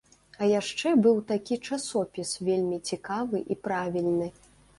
А яшчэ быў такі часопіс, вельмі цікавы і правільны.